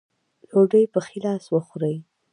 ډوډۍ پۀ ښي لاس وخورئ ـ